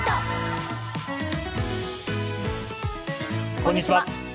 こんにちは。